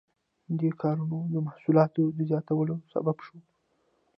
دې کارونو د محصولاتو د زیاتوالي سبب شو.